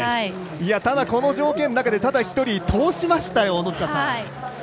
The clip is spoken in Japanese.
ただこの条件の中でただ１人、通しましたよ。